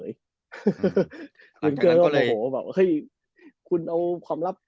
เทปโรคผิดหรอ